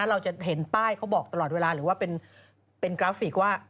เราจะเห็นป้ายเขาบอกตลอดเวลาหรือว่าเป็นกราฟิกว่า